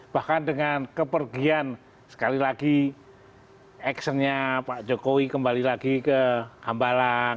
bahkan dengan kepergian sekali lagi actionnya pak jokowi kembali lagi ke hambalang